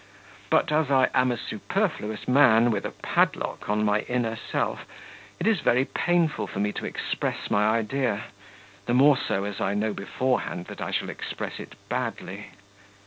But as I am a superfluous man with a padlock on my inner self, it is very painful for me to express my idea, the more so as I know beforehand that I shall express it badly.